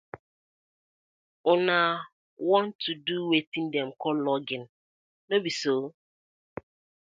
Una wan to do weten dem call logging, no bi so?